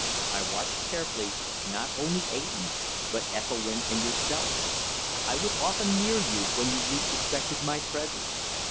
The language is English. I watched carefully, not only Eyton, but Ethelwynn and yourself. I was often near you when you least suspected my presence.